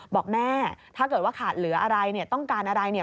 บอกแม่ถ้าเกิดว่าขาดเหลืออะไรเนี่ยต้องการอะไรเนี่ย